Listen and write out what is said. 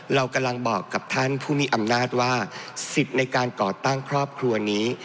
เรากำลังบอกกับท่านผู้มีอำนาจว่าสิทธิ์ในการก่อตั้งครอบครัวนี้